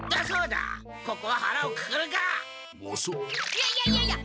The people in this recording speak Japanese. いやいやいやいや！